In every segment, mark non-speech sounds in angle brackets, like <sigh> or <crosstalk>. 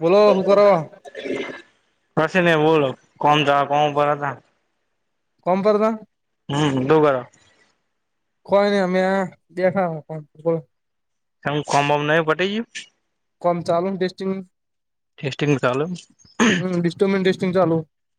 બોલો હું કરો કશે નય બોલો કોમ થવા કોણ ઉપર હતા કોમ પરતા હમ્મ <unintelligible> કોઈ નહી અમે બેઠા કેમ કોમ બોમ નય પતી ગયું કોમ ચાલુ ટેસ્ટિંગ ટેસ્ટિંગ ચાલુ સ્ટિ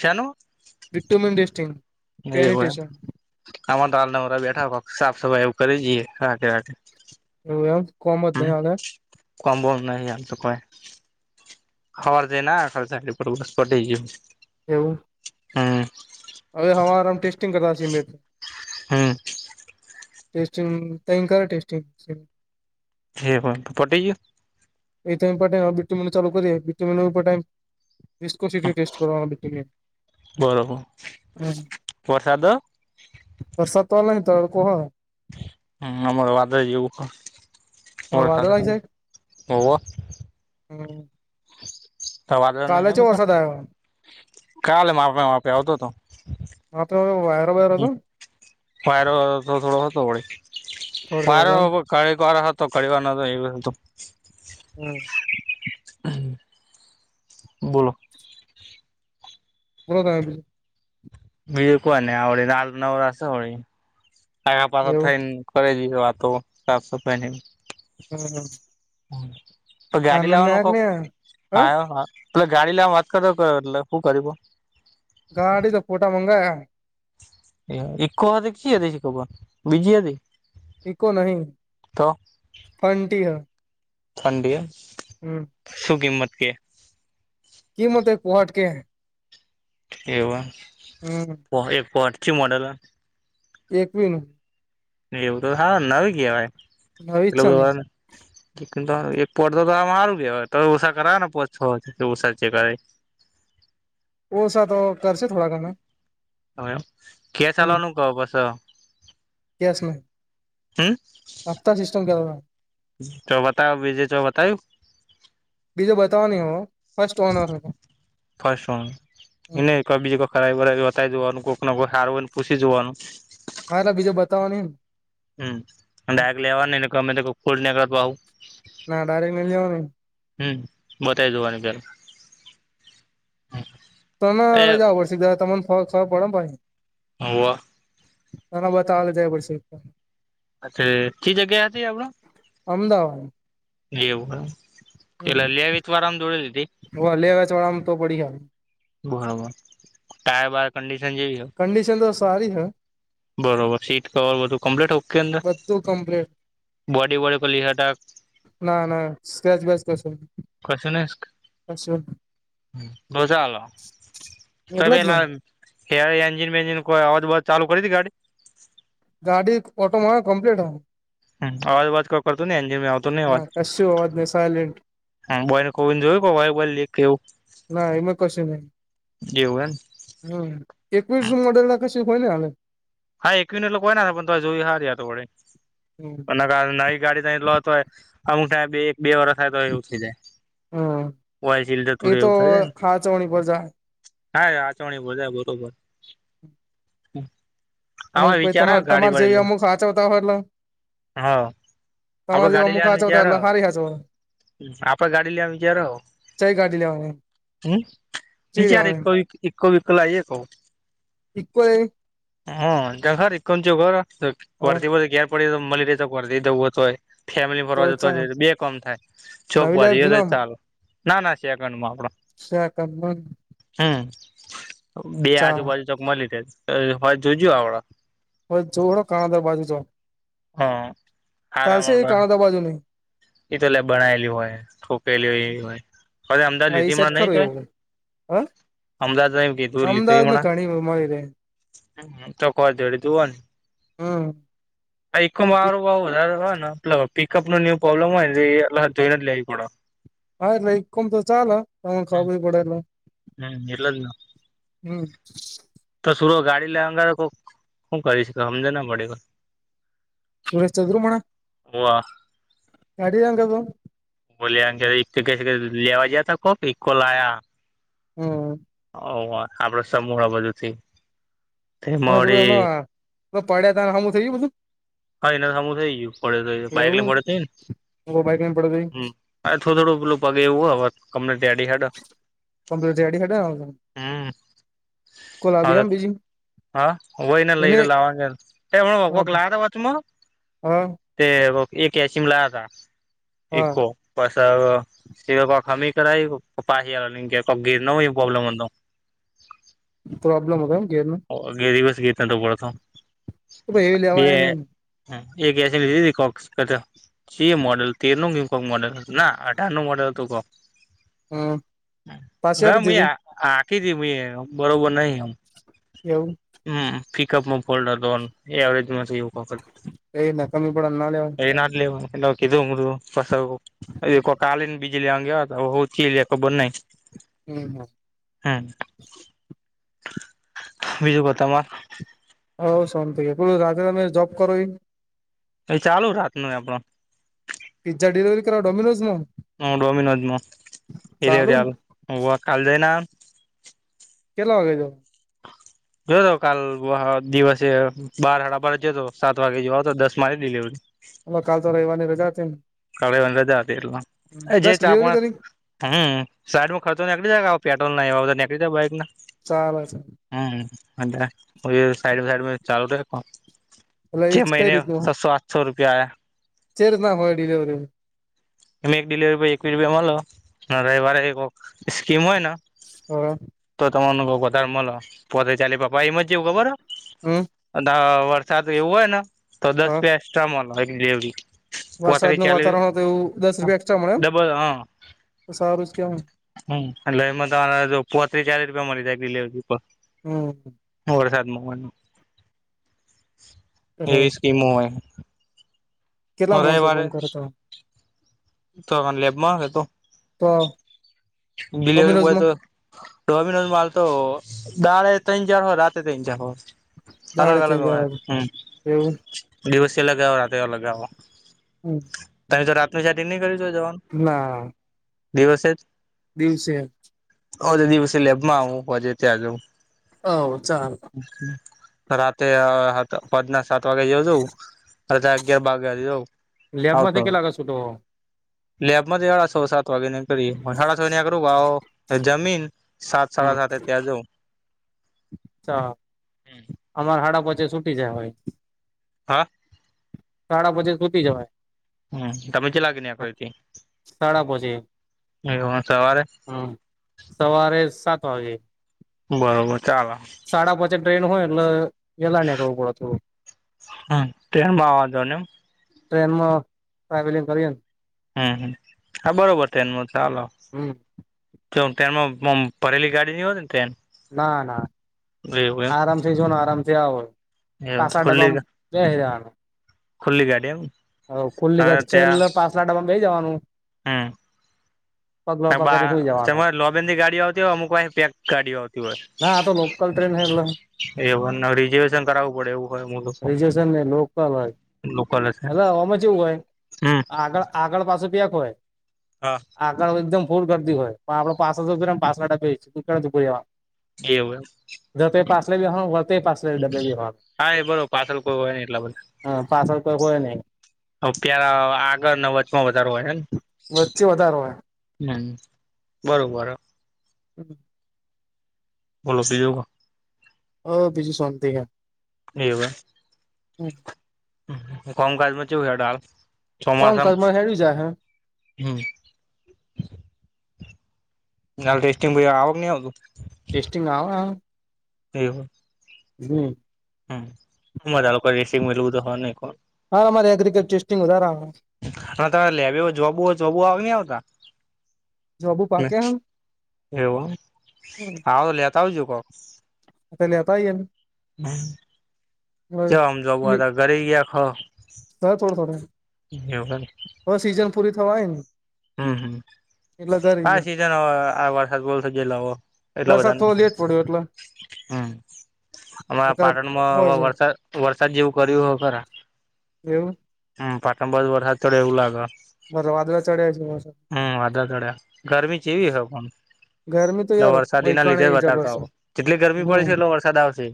શેનું સેટેન <unintelligible> અમે તો હાલ નવરા બેઠા હો, સાફ સફાઈ કરી જઈએ રાખે. ઓ એમ કોમ જ ન <unintelligible> કોમ બોમ નય હાલ તો કાઈ હવાર જઈ ને આયો <unintelligible> એવું હમ. અરે, હવારે ટેસ્ટિંગ કરતા સિમેટ. હમ. કંઈ કરોને, ટેસ્ટિંગ. હે હો તો, ફોટટી. એ બીટીિ ચાલુ કરીએ બીટીિાઈમ. Riico city test કરાવને. બરફ વર્ષા તો. વરસાદ તોલા ન તો કહો. હ, આમર વાદ જુવકર હા વાદળ સાધાર આઈ જાય હવ. હમ. તોવાદ નહીં, કાલે હ ચેવો બેસા. વરસાદ આયો કાલે માપે માપે આવતો હતો. માત્ર વાયરા વાયર હતો. વાયરો તો થોડો હતો, વડે થોડો થોડો એમ પરો. કળ વાર હતો તો કળવા એ. હમ. બોલો. બોલો. બીજું કવાને આવળ નાલ નગરશે, હોળ આખાપછ એવું થાય. કરે જઈ વાતો, સાફ પહેની. હમ, હમ. તો ગાડી લાવવાનું કોક, હા હા. તું ગાડી લેવા વાત કરતો, એટલે શું કયું? ગાડી તો ફોટા મંગાયા. એ ઈકો હ દીખતી હતી, બીજી હતી? ઇકો નહીં, તો ફંટી હ. મંડી હતી. હમ. શું કિંમત કે? કિંમત કે, કોટ કે? એવ હમ એક પરી મોડેલ. એકકવીન. એવું તો હા ન કેહેવાય, નવી જ એટલે છંદ બધા એક પોટ તો તો મારું ગ હોય તો ઉષા કરાવ ને, પો ઉષા ચેકે. ઓસા તો કરશે, થોડા કામ. હ, એ કે ચાલવાનું કહો, પસો. કહેશો, હપ્તા સિસ્ટમ કેવો છો? તો બતાવ્યું, બીજું તો બતાવ્યું. બીજો બતાવ નહીં હો, ફસ્ટ ઓનર હમ. ક બીજ કો ખરાબ બતાય જવાનું? કોઈક ના કોઈ સાર હોય ને, પૂછી જોવાનું. હાય ના, બીજે બતાવાની. હમ, અને લેવા જ ગમે તો ખોલ કર તો આવું. ના ડાયરેક્ટ મી જ નને. હમ બતાવી જોવાની પે હ. તોને અરે જું પડશે તમને ફ ફરક પડે ને ભછ. હવા. ના, ના, બતાલ જે પછી. અચ્છા, કી જગ્યા હતી આપણા? અમદાવાદ એવું, પેલા લેવી તો આરામ જોડે દીધી. હ લેવાચ વાળામાં તો પડી હ. બરાબર ટાયર બર કડીશન જેવી હ. કંડીશન તો સારી હૈ બરોબર સીટ કવર બધું કમ્પ્લીટ ઓ કે અંદર તો કમ્પ્લીટ બોડી વોડી કરલ <unintelligible> સેટ ના ના સ્ક્રેચ બેસ કશું નહી હ રોસા અલ એટલે જ ને સભલા <unintelligible> એ એન્જિન વેન્જિ કોઈ અવાજ બવાજ ચાલુ કરી હતી ગાડી ગાડી ઓટોમાં કમ્પ્લીટ હ હમ અવાજ બવાજ કો કરતુ એ એન્જિન આવતો ના કશું અવાજ નહીં સાઇલેન્ટ હ બોયને ખોલીને જોયુ ઓઇલ બોઇલ લીક કેવું ના એમાં કશું નહી જેવું હમ એકવીસ એમ નુ મોડેલલા કશું હોય ને હાલે હા એકવીશ લોકો કોય ના પણ જોઈ હારે તો વડે હમ એના કારણે નવી ગાડી ને લોતો હોય અમુક ટાઈમે બે બે વર્ષ તો એવું થઇ હમ જાય <unintelligible> સીડ એ થોડું તો એવું થઇ જાય ને હાચવણી પર જાય હા એ તો હાચવણી બધા બરોબર આમાં અમુક ભાઈ વિચાર તમા હ ગાડી તમારે વાળી જેવી લે અમુક સાચવતા હોય એટલે હા આમે તમારે જેવા ગાડી અમુક લઈને આન છે હાચવતા કયારે એટલે હારી હાચવ આપણે ગાડી લેવાનું વિચાર્યું કઈ ગાડી લેવાને હમ વિચારે કોઈ ઈકો બીકો લાઈએ કુ ઈકો એ હા તર છર હ વરતી બ ઘેર પડી <inaudible> મલેરિયા તો વરી દેવું હો તો હોય ફેમિલી તો ફરવા જતો ચા બે કામ થાય ચોક <unintelligible> નવી ભ લેવી કે તો જૂના ચાલ- ના ના સેકન્ડમાં આપડા સેકન્ડ માં હમ બે ચા આજુબાજુ ચક મળી જાય તો હવે જોજું આવડા હવે જો કાદર બાજુ છો હા તે આરામ એ આપડા કાણ દ બાજુ નહી એ તો લ બણાયેલી હોય ઠોકેલી એ હોય હવે અમદાવાદ હા એ લીધીણા સાઈડ નહી ખરું તો હોય એવું હા અમદાવાદ ન કીધુ લીધુંય અમદાવાદમાં હમણા ઘણી મળી રહે ચકોર જોડી દવ <inaudible> હમ ઈકો માં હારુ ભાવ વધારે હો ને પ પિકઅપ નો ન્યું પ્રોબ્લેમ હોય એ જોઈને જ લેવું પડે હા ઈ ઈકોમ તો ચાલ તમન <unintelligible> પડ એટલ. હમ્મ લીલો લીલો. તો કસુરો ગાડી લેવાં ઘર કો હુ કરી શ સમજ ના પડે કો સુરેશ ચદુર્મણ ઓવા <unintelligible> ગાડી <unintelligible> જંગ બ બોલ એક ક લેવાજયા તો કોપી એકકો લાયા હમ <unintelligible> ઓ આપડો સમૂહ આ બધુ થી અને પેલું એમ મળી પેલા પડ્યા તને હમું થયું ગયું બધું હા એના સામું થઈ ગયું પડે થય બાઇકલે એવું પડે થઈ ને બાઈક લઈને પડ્યો હમ અરે થોડું થોડું પેલું પગે એઉું હે અવે ગમે ત્યાં થીડી હેઠાં કમપટરડીેડા <inaudible> હ અ. ગુલાબી એમ બીજી હા વયને એને લઈને લાવાગે <unintelligible> લાયાતા વચમાં હા. તે એક એશિમ લાયા હતા હા એકકો. પસ કોક હમી કરાઈ પાહી કોક ગીર ન હોય પ્રોબ્લેમ હતો. પ્રોબ્લેમ હતો એમ ગેર નો. એ રિવર્સ ગેર ન તો પડતો. તો એ લેવાય નઈ ન હ એક એસી લીધી કોકસ <unintelligible> જે મોડલ તેર નું કોક મોડલ હતું ના અઢાર નું મોડલ હતું કોક. હમ પાછી ના આપી મીએ દીધી હાંકી હતી બરોબર નહી એમ. એવું. હમ્મ પિકઅપમાં ફોલ્ડ હતો એવરેજમાં નથી એવું કોક હતું. એ નકામી પડે ના લેવાય. એના જ લેવાય એને કીધું મુું ફસાહું. કોક આલીન બીજી લેવાની કેતાતા <unintelligible> ખબર નઈ હમ્મ અમ. હ અ બીજું કો તમાર હવ શો હે પેલું રાત્રે તમે જોબ કરો ઇ. એ ચાલુ રાત નું આપણ. પિઝ્ઝા ડિલિવરી કરાવા ડોમિનોઝ મા હ ડોમિનોઝમાં ડિલિવરી આલ, હોવ કાલ જઈન આયો. કેટલા વાગે જો. જોતો કાલ દિવસે બાર હાડાબારે જ્યોતો સાત વાગે જેઓ આયો તો દસ મારી ડિલિવરી. હ કાલ તો રવવાની રજા હતી ન. કાળે રજા હતી એટલ દસ જે ચા પો ડિલિવરી કરી હમ્મ સાઈડમાં ખર્ચો નેકળી જાય આવો પેટ્રોલ ના એ નીકળી જાય બાઈક ના. ચાલે છે. હમ્મ અત્યાર પહિ સાઈડ સાઈડ ચાલુ રહે કામ. એટલે જે એ કઈ મહિને છસો સાતસો રૂપિયા આયા. ચેર્જ ના હોય ડીલિવરીમ તમે એક ડિલવરી એકવીસ રૂપિયા મલ રવિવારે કોક સ્કીમ હોય ને હ અ. તો તમેન અ વધાર મલ પોત્રી ચાલી રૂપિયા પણ ઈમ ચેઉ ખબરહ હમ્મ. વરસાદ એવું હોય ને તો દસ રૂપિયા એક્સ્ટ્રા મળ જેવડી <unintelligible> વરસાદ ન વાતાવરણ હોય તો એવું દસ રૂપિયા એક્સ્ટ્રા મળે એમ ડબલ તો સારું જ કેવા હમ્મ એટલે એમાં તમારા જો પોત્રી ચાલિ રૂપિયા મળી જાય ડિલવરી પર. હમ્મ. વરસાદમાં હોય એટલે એવી સ્કીમો હોય. હું કેટલા માણસો રવિવારે કામ કરે તો. તો લેબમાં તો તો ડિલવરી બોય ડોમિનોઝમાં તો ડોમિનોઝ માં હાલ તો દાળે ત્રઈણ ચાર હોય રાતે ત્રઈણ ચાર હોય. દાડે અલગ અલગ ત્રણ હોય જણા હમ્મ એવું દિવસે અલગ આવ રાતે અલગ આવે. હમ્મ. તારે તો રાત્ર નું સેટિંગ નહી કરીયુ ચોય જવાનું. ના. દિવસે જ દિવસે હ તો દિવસે લેબમાં આવુંજે ત્યાં જઉ હવ ચાલ. રાતે પાચ ના સાત વાગે જઉઉ રા અગિયાર વાગે જઉ આવ તો. શૂડો. લેબ મ અડા છ સાત વાગ કરી સાડા છ કરું જમીન સાત હમ. સાડા સાતે ત્યાં જઉં ચ અમારા હાડાપચે છૂટી જાય હોય. હા. સાડા પાંચે સુતી જવાય. હમ તમેજ લાગે નહી આખ સાડા પોચે એ સવારે હમ સવારે સાત વાગે. બરોબર ચાલે. સાડા પાંચે ટ્રેન હોય એટલે વેલા નીકળવો પડે થોડુ. હમ તે માવાજો ને એમ. ટ્રેનમાં ટ્રાવેલિંગ કરીએ ને હમ હ હા બરાબર ટેનમાં ચાલે. હમ જો ટ્રેનમાં ભરેલી ગાડી નહીં હોતી ને ટેન ના ના આરામથી જોને આરામથી આવ એવું પાસા ખુલ્લી ડબામ બહી રહેવાનૂ. ખુલ્લી ગાડી એમ હ ખુલ્લી હવે ગઢી ત્યાં છેલ્લે પાસ ડમાં બહી જવાનું હમ. પગ લાંબા કરીને હુઈ જવાનું તમારે લોબેન થી ગાડીઓ આવતી હોય અમુક પાછ પેક ગાડીઓ આવતી હોય. ના આ તો લોકલ ટ્રેન હ એટલે એ રિઝર્વેશન કરાવવું પડે એવું હોય હું લોકો લોકલ અસ એલે હવામાં જેવું હોય આગળ આગળ પાછું પ્યાંક હોય હા. આગળ એકદમ ફૂર કરતી હોય પણ આપડ પાસ પાસવા ઉભુ રહેવાનુ એવું એમ. જ તે પાછલે બેવાનુ હોત. તે પાસલે ડબ્બે ભ હોત હા એ બરોબર પાછળ કોઈ હોય ને એટલા હ પાસલ કોઈ હોય નહી. હ પ્યાર આગળ ન વચમાં વધારો હોય ને વચ્ચે વધારો હોય. હે બરોબર હ. હમ <unintelligible> બોલો પેલુ હોય. અ બીજુ શાંતિ હૈ. એવું એમ. કોમ કજમાં છે ડાલ છ <inaudible> કામ ચોમાસમાં કર્મ હેડ્યું જાય હે હમ ના ટેસ્ટિંગ ભ આવક ન આવતું. ટેસ્ટિંગ આવે આવે. એવું. હમ. હમ બધા લોકો રસીંગ મેલવું તો હો નહી કોણ. હા અમા એગસ્ટિંગ ઉધાર અને તમે લે હો જોબુ <unintelligible> હો જોબુ આવ ન આવતા. જોબુ પાકે હે એવું આવો તો લેતા આવજુ કોક પ લેતા એમ હ ક આમ હવે જવું ઘરે ગયા ખો હ થોડ થોડ એવું હવે સીઝન પૂરી થવાય ને હમ્મ. હમ્મ એટલે ઘરે હા ગયા સિઝન આ વરસાદ બોલ થ ગયેલો એટલા વરસાદ બધાને થોડો લેટ પડ્યો એટલે હમ અમારા નકર પાટણમાં હોય હ છે વરસાદ વરસાદ જેવું કર્યું હો ખરાં. એવું! હમ પાટણ બાજુ વરસાદ ચડયો એવું લાગ. પણ વાદળો ચઢયો છે. હમ વાદળ તડ્યા ગરમી કેવી હય પણ. ગરમી તો એટલે યાર વરસાદી એના વૈકાણે લીધે જ બતાવતા જબરજસ્ત આવો જેટલી ગરમી પડી હમ છે એટલો વરસાદ આવશે.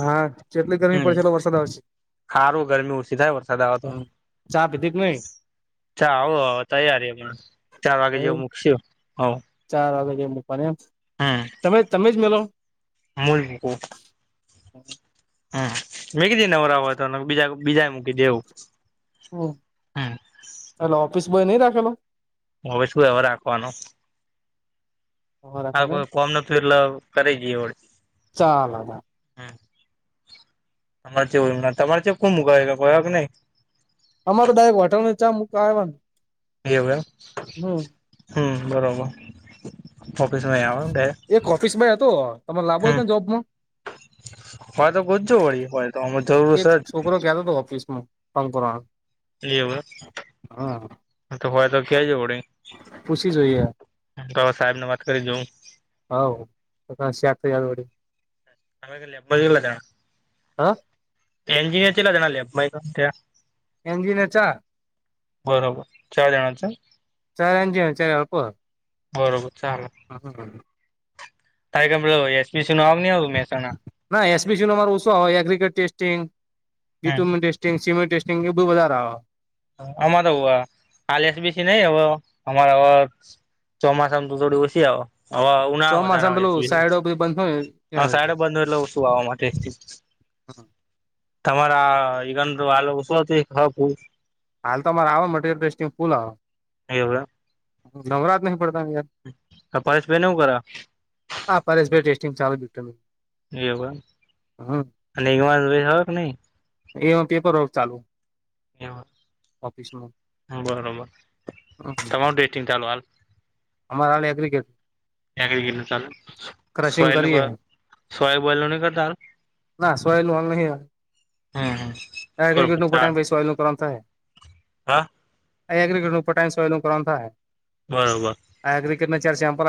હા જેટલી ગરમી હમ પડશે એટલો વરસાદ આવશે. સારું ગરમી ઓછી થાય વરસાદ આવે તો. ચા પીધી કે નઈ? ચ આવો આવો તૈયારી હમણાં ચાર વાગે જેવું મકશે આવો. ચાર વાગેે મૂકવાની એમ તમે તમે જ મેલો! મૂઈ મુકો હમ વકી દનેવરા હોય તો બીજા બીજા મૂકી દેવું. હમ હમ ચલો ઓફિસ બોય નહ રાખેલો? હવે શું લેવા રાખવાનો. હ રાખવાનો એમ કોઈ કોમ ન <unintelligible> જઈએ હોળ ચાલ હવે હમ તમારેય તમારે કો મુક કે નહી અમા તો ડાયક વોટર ને ચા <unintelligible> આવ્યા ને એવું એમ હમ બરોબર ઓફીસમાં આવો એમ એક ઓફિસ ભાઈ હતો તમે લાભો કે જોબમાં ડાયરેક્ટ. હોય તો ગજજો વળી હોય તો અમ જરૂર એક છે જ. છોકરો કતો હતો <unintelligible> લવ હા તો હોય તો ક્યાં જવડે પૂછી જોઈએ. સાહેબ ને વાત કરી જોઉં હા તો‌ <unintelligible> જારડી આ બાજુ લૅબ બાજુ લગાડ હા <unintelligible> ચલા જના લે્યા <unintelligible> ચાર બરોબર ચાર જણા છે. સરાર અંજન છેાર અળપ <unintelligible> બરોબર ચાલો. હા હા. તાય ક <unintelligible> એસ પી શ નું મહેસાણા ના એસબીસીનુ મારું ઓછું આવે એગ્ર ટેસ્ટિંગસ્ટ હમ <unintelligible> ટિસ્સિબલ ટૅસ્ટિગ <unintelligible> બ વધારે આવે. અમા તો આલ એસ બીસીી નહી અમા ચોમાસામાં ત તું જોડી બસી આ હવે ઉ ના વધારેા ચોમાસામાં પેલું સાઈડો બધી બંધ હોય ને આવેય ત્યાં સાડ સુધી બંધ હોય એટલે શું આવવા માટે તમારા ઈગંદ આલો <unintelligible> શું હાલ ત મારે આવે માટે મસ્ટિંગ ફુલ આવે એવું એમ નવરા જ નહીં પડતા ને યાર કપાસ ભઈ ને હું કરા આ પરેશ ભાઈ ટેસ્ટિંગ ચાલુ મૂકે એવ <unintelligible> કે નહી એ હું પેપર વર્ક ચાલુ ઓફિસનું એવું બરોબર તમાર ડેટિંગ ચાલો હાલ અમારા એગ્રીગેટ <unintelligible> ક્રશિંગ કરીએ <unintelligible> નહી કરતા ના <unintelligible> નું હમ હમ હાલ નહીટ બરોબર ન ચાલ નું થાય હા અહીંયા ક્રિકેટ નુ પતાઈને <unintelligible> નુ કામ થાહે બરોબર અહીંયા ક્રિકેટ ના ચાર આમ પર